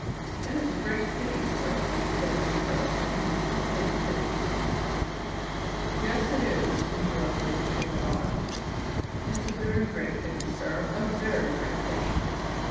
"It is a great pity, sir," said Mr. Delaplaine, "a great pity " "Yes, it is," interrupted Ichabod, "it's a very great pity, sir, a very great pity.